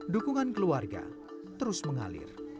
dukungan keluarga terus mengalir